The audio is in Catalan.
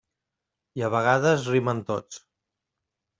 I a vegades rimen tots.